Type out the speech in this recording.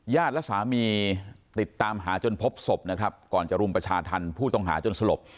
และสามีติดตามหาจนพบศพนะครับก่อนจะรุมประชาธรรมผู้ต้องหาจนสลบ